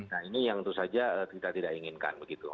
nah ini yang itu saja kita tidak inginkan